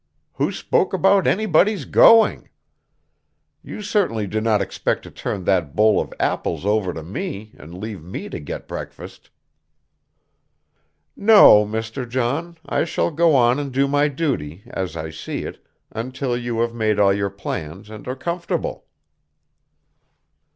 Who spoke about anybody's going? You certainly do not expect to turn that bowl of apples over to me and leave me to get breakfast?" "No, Mr. John, I shall go on and do my duty, as I see it, until you have made all your plans and are comfortable."